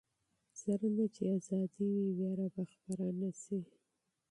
څرنګه چې ازادي وي، ویره به خپره نه شي.